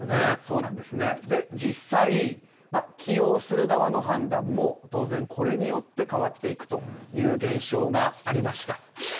実際、起用する側の判断も当然、これによって変わっていくという現象がありました。